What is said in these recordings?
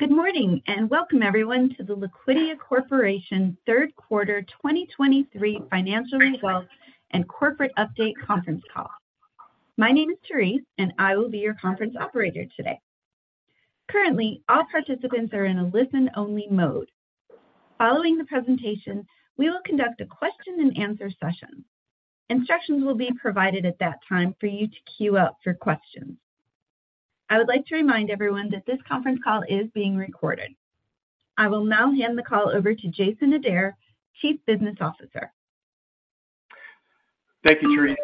Good morning, and welcome everyone to the Liquidia Corporation Q3 2023 financial results and corporate update conference call. My name is Therese, and I will be your conference operator today. Currently, all participants are in a listen-only mode. Following the presentation, we will conduct a question-and-answer session. Instructions will be provided at that time for you to queue up for questions. I would like to remind everyone that this conference call is being recorded. I will now hand the call over to Jason Adair, Chief Business Officer. Thank you, Therese.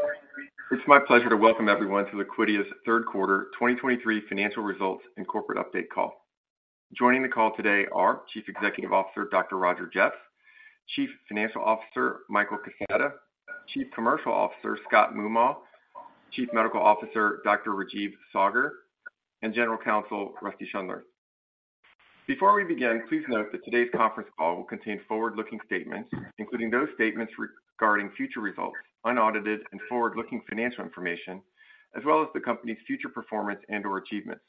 It's my pleasure to welcome everyone to Liquidia's Q3 2023 financial results and corporate update call. Joining the call today are Chief Executive Officer, Dr. Roger Jeffs; Chief Financial Officer, Michael Kaseta; Chief Commercial Officer, Scott Moomaw; Chief Medical Officer, Dr. Rajeev Saggar; and General Counsel, Rusty Schundler. Before we begin, please note that today's conference call will contain forward-looking statements, including those statements regarding future results, unaudited and forward-looking financial information, as well as the company's future performance and/or achievements.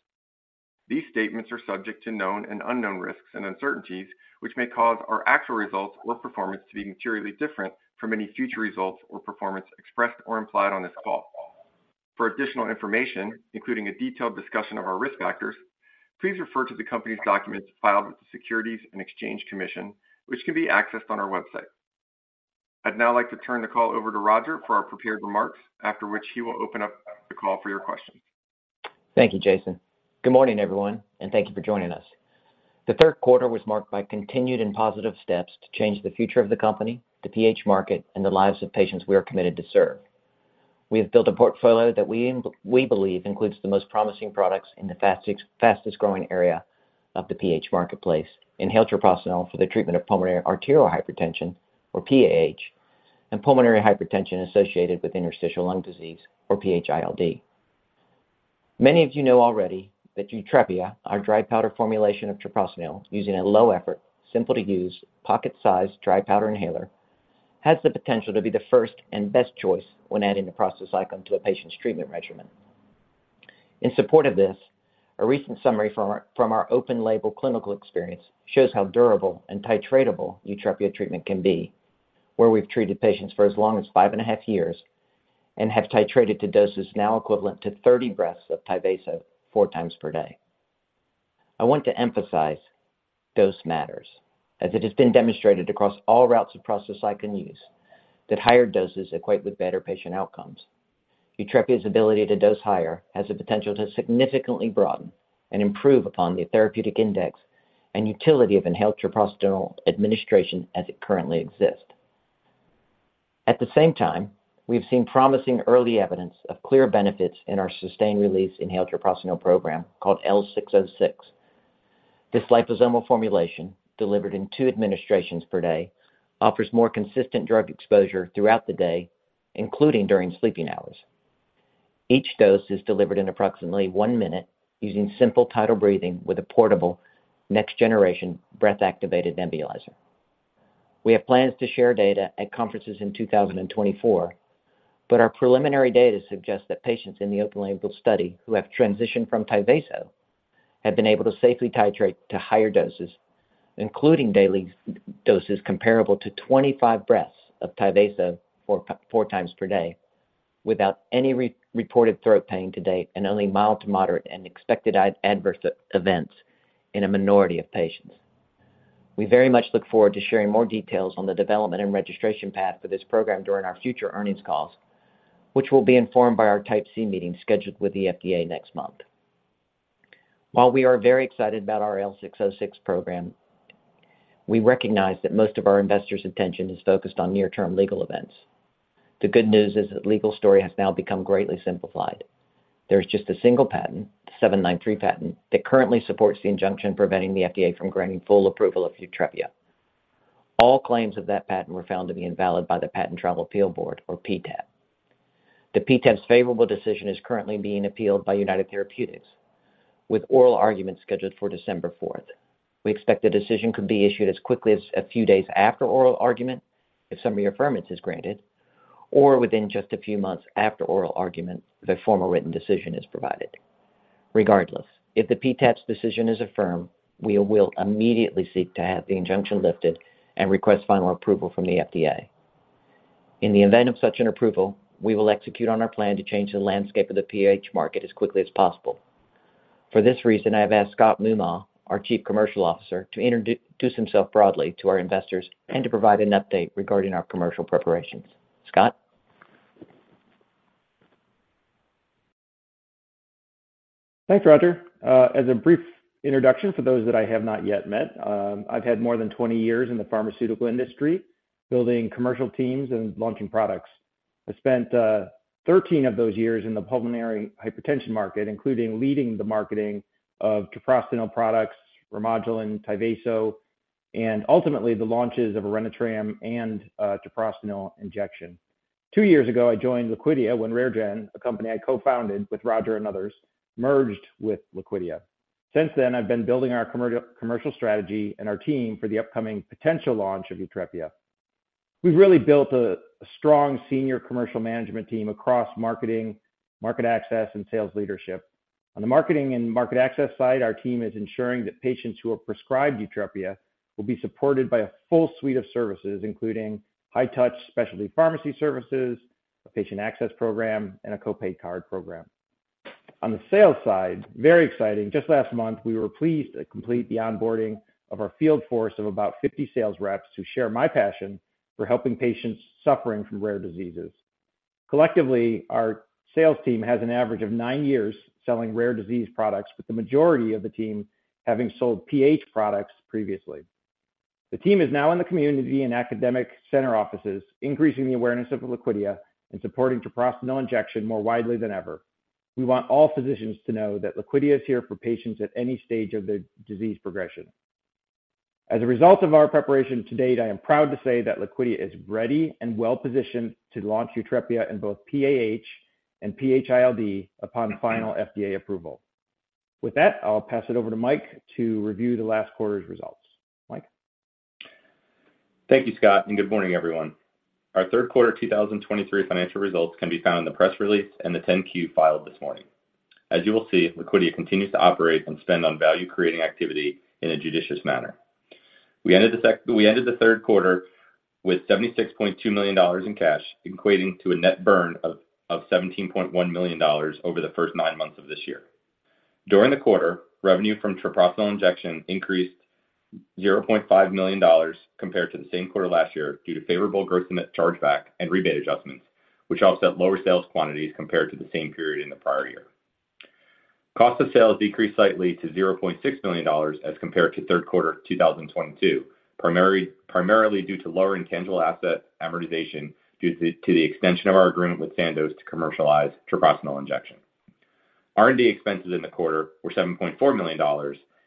These statements are subject to known and unknown risks and uncertainties, which may cause our actual results or performance to be materially different from any future results or performance expressed or implied on this call. For additional information, including a detailed discussion of our risk factors, please refer to the company's documents filed with the Securities and Exchange Commission, which can be accessed on our website. I'd now like to turn the call over to Roger for our prepared remarks, after which he will open up the call for your questions. Thank you, Jason. Good morning, everyone, and thank you for joining us. The Q3 was marked by continued and positive steps to change the future of the company, the PH market, and the lives of patients we are committed to serve. We have built a portfolio that we believe includes the most promising products in the fastest-growing area of the PH marketplace, inhaled treprostinil for the treatment of pulmonary arterial hypertension, or PAH, and pulmonary hypertension associated with interstitial lung disease, or PH-ILD. Many of you know already that YUTREPIA, our dry powder formulation of treprostinil, using a low effort, simple to use, pocket-sized dry powder inhaler, has the potential to be the first and best choice when adding a prostacyclin to a patient's treatment regimen. In support of this, a recent summary from our open-label clinical experience shows how durable and titratable YUTREPIA treatment can be, where we've treated patients for as long as five and a half years and have titrated to doses now equivalent to 30 breaths of Tyvaso 4 times per day. I want to emphasize dose matters, as it has been demonstrated across all routes of prostacyclin use, that higher doses equate with better patient outcomes. YUTREPIA's ability to dose higher has the potential to significantly broaden and improve upon the therapeutic index and utility of inhaled treprostinil administration as it currently exists. At the same time, we've seen promising early evidence of clear benefits in our sustained-release inhaled treprostinil program called L606. This liposomal formulation, delivered in 2 administrations per day, offers more consistent drug exposure throughout the day, including during sleeping hours. Each dose is delivered in approximately one minute using simple tidal breathing with a portable next-generation breath-activated nebulizer. We have plans to share data at conferences in 2024, but our preliminary data suggests that patients in the open label study who have transitioned from Tyvaso have been able to safely titrate to higher doses, including daily doses comparable to 25 breaths of Tyvaso 4 times per day, without any re-reported throat pain to date and only mild to moderate and expected adverse events in a minority of patients. We very much look forward to sharing more details on the development and registration path for this program during our future earnings calls, which will be informed by our Type C meeting scheduled with the FDA next month. While we are very excited about our L606 program, we recognize that most of our investors' attention is focused on near-term legal events. The good news is that the legal story has now become greatly simplified. There's just a single patent, the 793 patent, that currently supports the injunction preventing the FDA from granting full approval of YUTREPIA. All claims of that patent were found to be invalid by the Patent Trial and Appeal Board, or PTAB. The PTAB's favorable decision is currently being appealed by United Therapeutics, with oral arguments scheduled for December fourth. We expect the decision could be issued as quickly as a few days after oral argument if summary affirmance is granted, or within just a few months after oral argument, the formal written decision is provided. Regardless, if the PTAB's decision is affirmed, we will immediately seek to have the injunction lifted and request final approval from the FDA. In the event of such an approval, we will execute on our plan to change the landscape of the PH market as quickly as possible. For this reason, I have asked Scott Moomaw, our Chief Commercial Officer, to introduce himself broadly to our investors and to provide an update regarding our commercial preparations. Scott? Thanks, Roger. As a brief introduction for those that I have not yet met, I've had more than 20 years in the pharmaceutical industry building commercial teams and launching products. I spent 13 of those years in the pulmonary hypertension market, including leading the marketing of Treprostinil products, Remodulin, Tyvaso, and ultimately the launches of Orenitram and Treprostinil Injection. 2 years ago, I joined Liquidia when RareGen, a company I co-founded with Roger and others, merged with Liquidia. Since then, I've been building our commercial, commercial strategy and our team for the upcoming potential launch of YUTREPIA.... We've really built a strong senior commercial management team across marketing, market access, and sales leadership. On the marketing and market access side, our team is ensuring that patients who are prescribed YUTREPIA will be supported by a full suite of services, including high-touch specialty pharmacy services, a patient access program, and a co-pay card program. On the sales side, very exciting, just last month, we were pleased to complete the onboarding of our field force of about 50 sales reps who share my passion for helping patients suffering from rare diseases. Collectively, our sales team has an average of nine years selling rare disease products, with the majority of the team having sold PH products previously. The team is now in the community and academic center offices, increasing the awareness of Liquidia and supporting Treprostinil Injection more widely than ever. We want all physicians to know that Liquidia is here for patients at any stage of their disease progression. As a result of our preparation to date, I am proud to say that Liquidia is ready and well-positioned to launch YUTREPIA in both PAH and PH-ILD upon final FDA approval. With that, I'll pass it over to Mike to review the last quarter's results. Mike? Thank you, Scott, and good morning, everyone. Our Q3 2023 financial results can be found in the press release and the 10-Q filed this morning. As you will see, Liquidia continues to operate and spend on value-creating activity in a judicious manner. We ended the Q3 with $76.2 million in cash, equating to a net burn of $17.1 million over the first nine months of this year. During the quarter, revenue from Treprostinil Injection increased $0.5 million compared to the same quarter last year due to favorable gross-to-net chargeback and rebate adjustments, which offset lower sales quantities compared to the same period in the prior year. Cost of sales decreased slightly to $0.6 million as compared to Q3 2022, primarily due to lower intangible asset amortization due to the extension of our agreement with Sandoz to commercialize Treprostinil Injection. R&D expenses in the quarter were $7.4 million,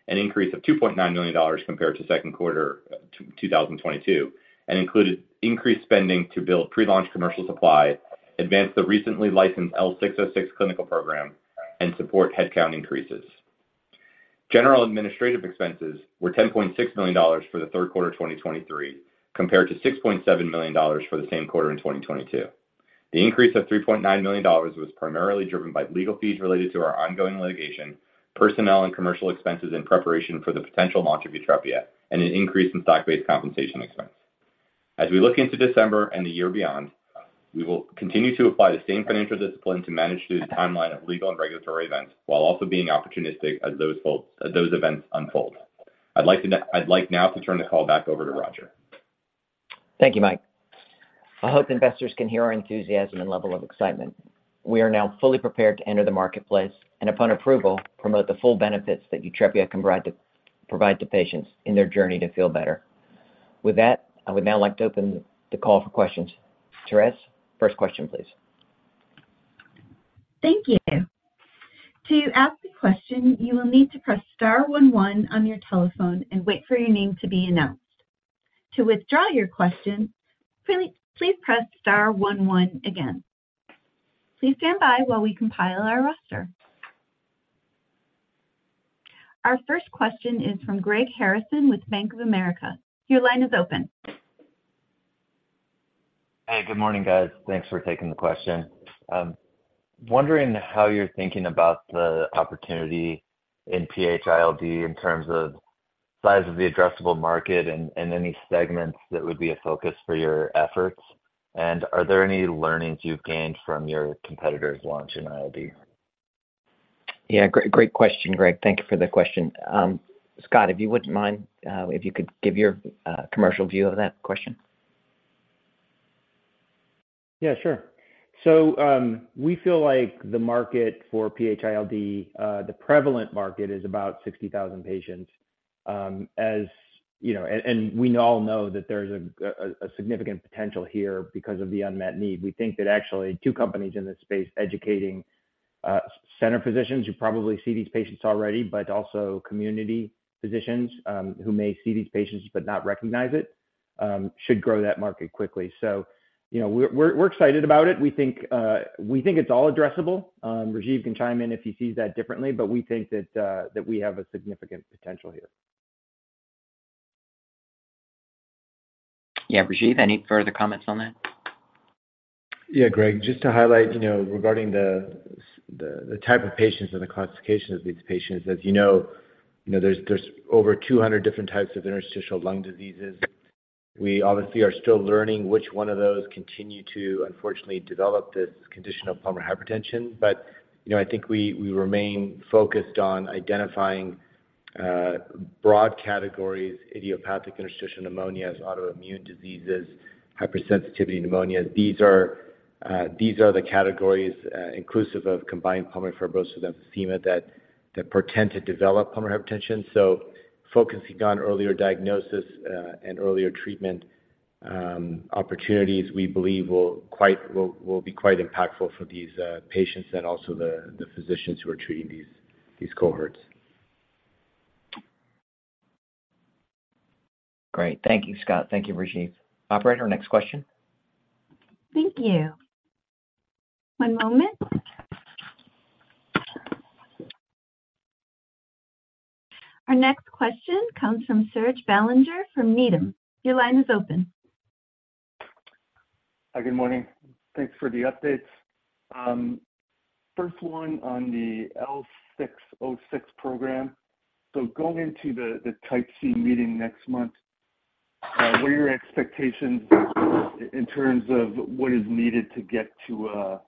an increase of $2.9 million compared to Q2 2022, and included increased spending to build pre-launch commercial supply, advance the recently licensed L606 clinical program, and support headcount increases. General administrative expenses were $10.6 million for the Q3 2023, compared to $6.7 million for the same quarter in 2022. The increase of $3.9 million was primarily driven by legal fees related to our ongoing litigation, personnel and commercial expenses in preparation for the potential launch of YUTREPIA, and an increase in stock-based compensation expense. As we look into December and the year beyond, we will continue to apply the same financial discipline to manage through the timeline of legal and regulatory events, while also being opportunistic as those events unfold. I'd like now to turn the call back over to Roger. Thank you, Mike. I hope investors can hear our enthusiasm and level of excitement. We are now fully prepared to enter the marketplace, and upon approval, promote the full benefits that YUTREPIA can provide to, provide to patients in their journey to feel better. With that, I would now like to open the call for questions. Therese, first question, please. Thank you. To ask a question, you will need to press star one one on your telephone and wait for your name to be announced. To withdraw your question, please, please press star one one again. Please stand by while we compile our roster. Our first question is from Greg Harrison with Bank of America. Your line is open. Hey, good morning, guys. Thanks for taking the question. Wondering how you're thinking about the opportunity in PH-ILD in terms of size of the addressable market and, and any segments that would be a focus for your efforts. Are there any learnings you've gained from your competitors' launch in ILD? Yeah, great, great question, Greg. Thank you for the question. Scott, if you wouldn't mind, if you could give your commercial view of that question. Yeah, sure. So, we feel like the market for PH-ILD, the prevalent market is about 60,000 patients. As you know... And, we all know that there's a significant potential here because of the unmet need. We think that actually two companies in this space, educating center physicians, who probably see these patients already, but also community physicians, who may see these patients but not recognize it, should grow that market quickly. So, you know, we're excited about it. We think it's all addressable. Rajeev can chime in if he sees that differently, but we think that we have a significant potential here. Yeah. Rajeev, any further comments on that? Yeah, Greg, just to highlight, you know, regarding the type of patients and the classification of these patients, as you know, you know, there's over 200 different types of interstitial lung diseases. We obviously are still learning which one of those continue to unfortunately develop this condition of pulmonary hypertension. But, you know, I think we remain focused on identifying broad categories, idiopathic interstitial pneumonias, autoimmune diseases, hypersensitivity pneumonias. These are the categories inclusive of combined pulmonary fibrosis and emphysema that portend to develop pulmonary hypertension. So focusing on earlier diagnosis and earlier treatment opportunities, we believe will be quite impactful for these patients and also the physicians who are treating these cohorts. Great. Thank you, Scott. Thank you, Rajeev. Operator, next question. Thank you. One moment... Our next question comes from Serge Belanger from Needham. Your line is open. Hi, good morning. Thanks for the updates. First one on the L606 program. So going into the type C meeting next month, what are your expectations in terms of what is needed to get to a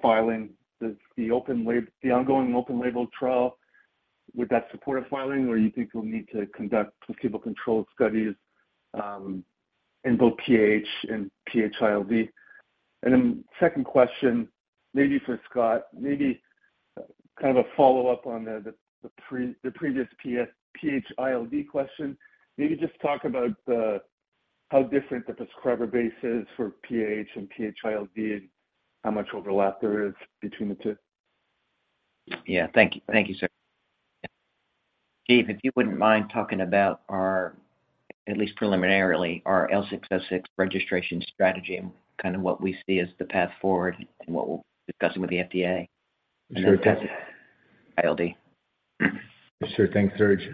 filing? Does the ongoing open label trial support a filing, or you think you'll need to conduct placebo-controlled studies in both PH and PH-ILD? And then second question, maybe for Scott, kind of a follow-up on the previous PH-ILD question. Maybe just talk about how different the prescriber base is for PAH and PH-ILD, and how much overlap there is between the two. Yeah. Thank you, thank you, Serge. Rajeev, if you wouldn't mind talking about our, at least preliminarily, our L606 registration strategy and kind of what we see as the path forward and what we're discussing with the FDA. Sure. And then PH-ILD. Sure. Thanks, Serge.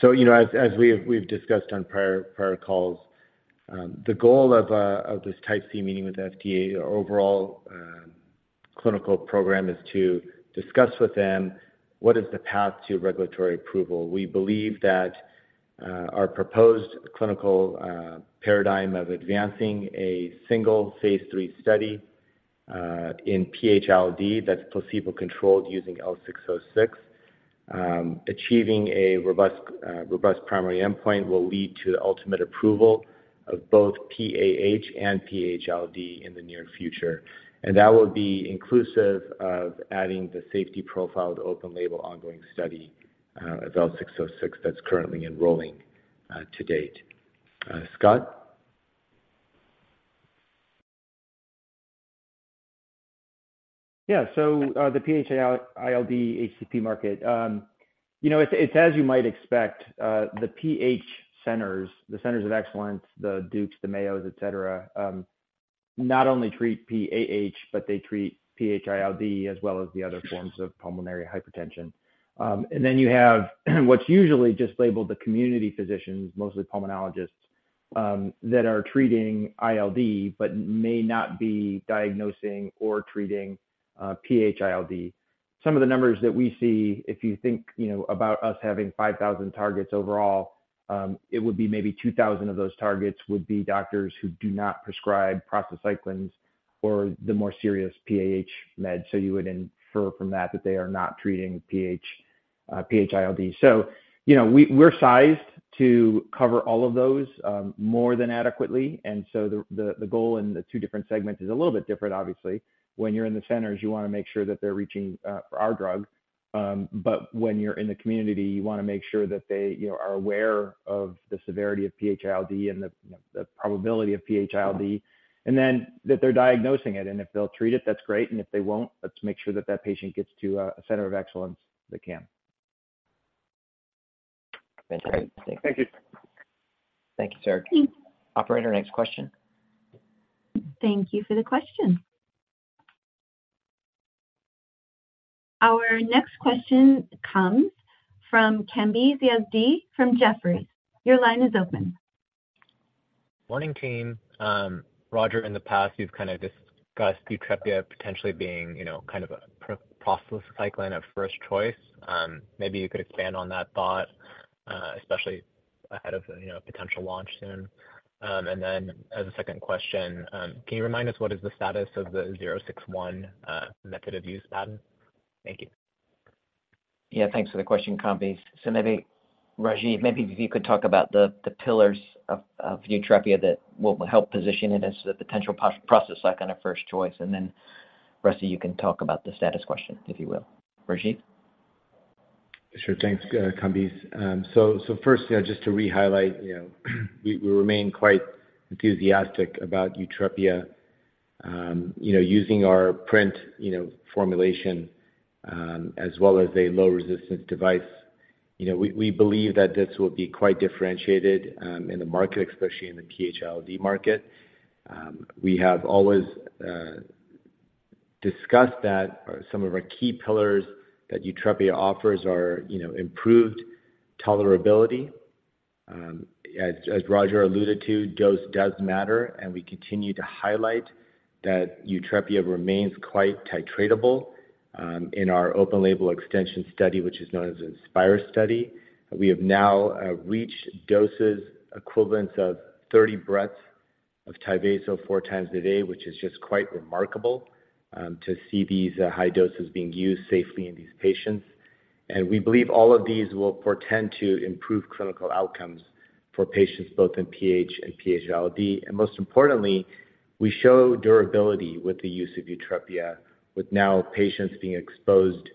So, you know, as we've discussed on prior calls, the goal of this Type C meeting with the FDA, our overall clinical program is to discuss with them what is the path to regulatory approval. We believe that our proposed clinical paradigm of advancing a single phase 3 study in PH-ILD, that's placebo-controlled using L606, achieving a robust primary endpoint will lead to the ultimate approval of both PAH and PH-ILD in the near future. And that will be inclusive of adding the safety profiled open label ongoing study of L606 that's currently enrolling to date. Scott? Yeah. So, the PH-ILD HCP market. You know, it's, it's as you might expect, the PH centers, the centers of excellence, the Dukes, the Mayos, et cetera, not only treat PAH, but they treat PH-ILD, as well as the other forms of pulmonary hypertension. And then you have what's usually just labeled the community physicians, mostly pulmonologists, that are treating ILD, but may not be diagnosing or treating, PH-ILD. Some of the numbers that we see, if you think, you know, about us having 5,000 targets overall, it would be maybe 2,000 of those targets would be doctors who do not prescribe prostacyclins or the more serious PAH meds. So you would infer from that, that they are not treating PH, PH-ILD. So, you know, we're sized to cover all of those, more than adequately. And so the goal in the two different segments is a little bit different obviously. When you're in the centers, you wanna make sure that they're reaching for our drug, but when you're in the community, you wanna make sure that they, you know, are aware of the severity of PH-ILD and the probability of PH-ILD. And then, that they're diagnosing it, and if they'll treat it, that's great, and if they won't, let's make sure that that patient gets to a center of excellence that can. That's great. Thank you. Thank you, Serge. Thanks. Operator, next question. Thank you for the question. Our next question comes from Kambiz Yazdi from Jefferies. Your line is open. Morning, team. Roger, in the past, you've kind of discussed YUTREPIA potentially being, you know, kind of a prostacyclin of first choice. Maybe you could expand on that thought, especially ahead of the, you know, potential launch soon. And then as a second question, can you remind us what is the status of the L606 method of use patent? Thank you. Yeah, thanks for the question, Kambiz. So maybe, Rajeev, maybe if you could talk about the pillars of YUTREPIA that will help position it as the potential prostacyclin of first choice, and then the rest of you can talk about the status question, if you will. Rajeev? Sure. Thanks, Kambiz. So, firstly, just to rehighlight, you know, we remain quite enthusiastic about YUTREPIA. You know, using our PRINT formulation, as well as a low resistance device, you know, we believe that this will be quite differentiated in the market, especially in the PH-ILD market. We have always discussed that some of our key pillars that YUTREPIA offers are, you know, improved tolerability. As Roger alluded to, dose does matter, and we continue to highlight that YUTREPIA remains quite titratable in our open label extension study, which is known as the INSPIRE study. We have now reached doses equivalent of 30 breaths of Tyvaso 4 times a day, which is just quite remarkable to see these high doses being used safely in these patients. We believe all of these will portend to improve clinical outcomes for patients both in PH and PH-ILD. Most importantly, we show durability with the use of YUTREPIA, with now patients being exposed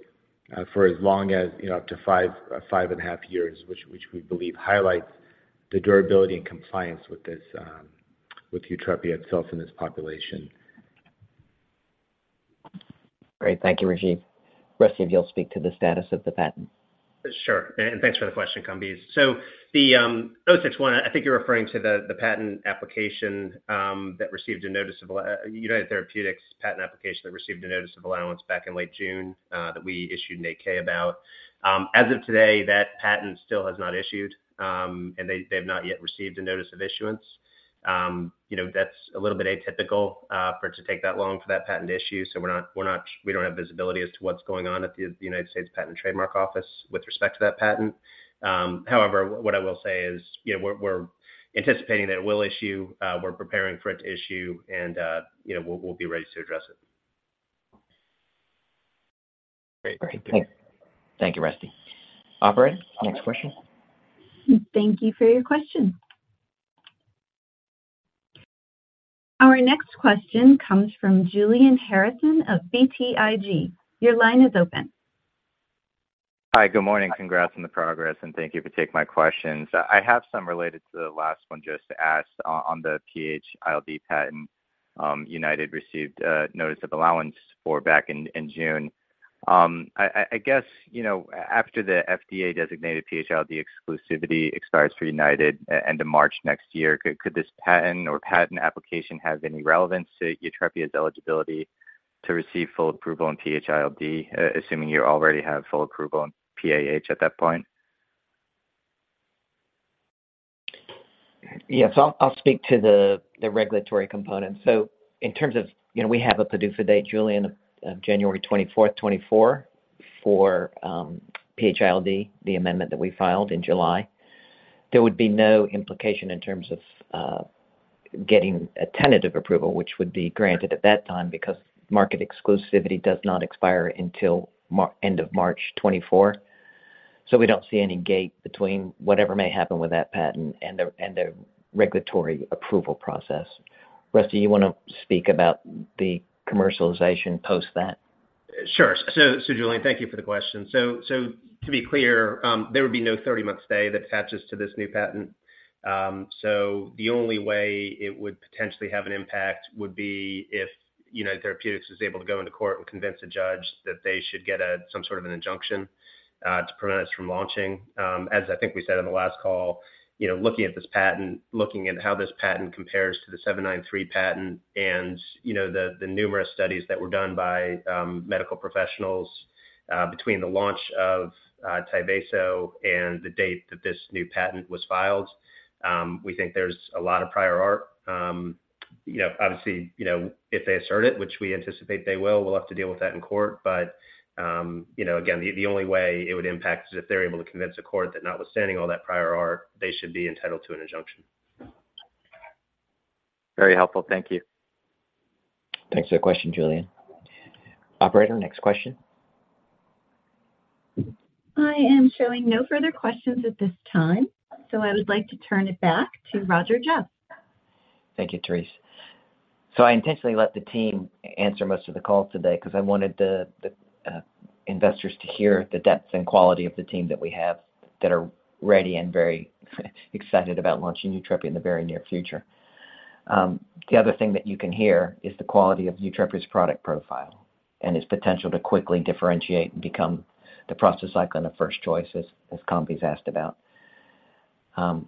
for as long as, you know, up to 5.5 years, which we believe highlights the durability and compliance with this, with YUTREPIA itself in this population.... Great. Thank you, Rajeev. Rusty, you'll speak to the status of the patent. Sure, and thanks for the question, Kambiz. So the 061, I think you're referring to the United Therapeutics patent application that received a notice of allowance back in late June that we issued an 8-K about. As of today, that patent still has not issued, and they have not yet received a notice of issuance. You know, that's a little bit atypical for it to take that long for that patent to issue, so we're not, we don't have visibility as to what's going on at the United States Patent and Trademark Office with respect to that patent. However, what I will say is, you know, we're anticipating that it will issue, we're preparing for it to issue, and, you know, we'll be ready to address it. Great. Great. Thank you, Rusty. Operator, next question. Thank you for your question. Our next question comes from Julian Harrison of BTIG. Your line is open. Hi, good morning. Congrats on the progress, and thank you for taking my questions. I have some related to the last one just asked on the PH-ILD patent, United received a notice of allowance for back in, in June. I guess, you know, after the FDA designated PH-ILD exclusivity expires for United, end of March next year, could this patent or patent application have any relevance to YUTREPIA's eligibility to receive full approval on PH-ILD, assuming you already have full approval on PAH at that point? Yes, I'll speak to the regulatory component. So in terms of... You know, we have a PDUFA date, Julian, of January 24, 2024, for PH-ILD, the amendment that we filed in July. There would be no implication in terms of getting a tentative approval, which would be granted at that time, because market exclusivity does not expire until end of March 2024. So we don't see any gap between whatever may happen with that patent and the regulatory approval process. Rusty, you wanna speak about the commercialization post that? Sure. So, Julian, thank you for the question. So, to be clear, there would be no 30-month stay that attaches to this new patent. So the only way it would potentially have an impact would be if United Therapeutics is able to go into court and convince a judge that they should get a some sort of an injunction to prevent us from launching. As I think we said on the last call, you know, looking at this patent, looking at how this patent compares to the 793 patent and, you know, the numerous studies that were done by medical professionals between the launch of Tyvaso and the date that this new patent was filed, we think there's a lot of prior art. You know, obviously, you know, if they assert it, which we anticipate they will, we'll have to deal with that in court. But, you know, again, the only way it would impact is if they're able to convince a court that notwithstanding all that prior art, they should be entitled to an injunction. Very helpful. Thank you. Thanks for the question, Julian. Operator, next question? I am showing no further questions at this time, so I would like to turn it back to Roger Jeffs. Thank you, Therese. So I intentionally let the team answer most of the calls today, 'cause I wanted the investors to hear the depth and quality of the team that we have that are ready and very excited about launching YUTREPIA in the very near future. The other thing that you can hear is the quality of YUTREPIA's product profile and its potential to quickly differentiate and become the prostacyclin of first choice, as Kambiz asked about.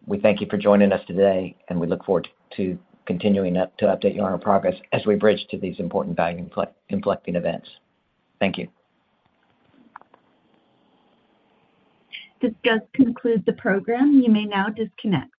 We thank you for joining us today, and we look forward to continuing to update you on our progress as we bridge to these important value inflecting events. Thank you. This does conclude the program. You may now disconnect.